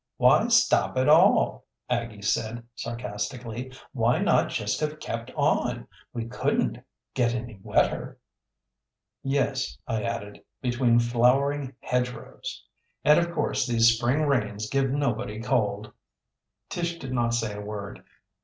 "Why stop at all?" Aggie asked sarcastically. "Why not just have kept on? We couldn't get any wetter." "Yes," I added, "between flowering hedgerows! And of course these spring rains give nobody cold!" Tish did not say a word.